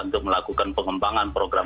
untuk melakukan pengembangan program